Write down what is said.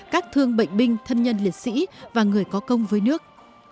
các thương bệnh binh thân nhân liệt sĩ và người có công với nước